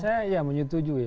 saya ya menyetujui ya